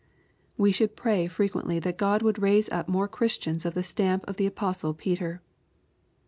We should pray frequently that God would raise up more Christians of the stamp of the apostle Peter.